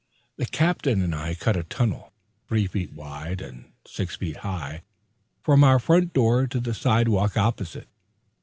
The Captain and I cut a tunnel, three feet wide and six feet high, from our front door to the sidewalk opposite.